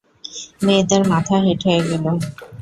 মেয়েদের মাথা হেঁট হয়ে গেল।